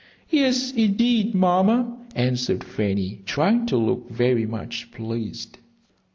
"Yes, indeed, Mamma," answered Fanny, trying to look very much pleased.